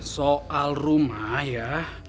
soal rumah ya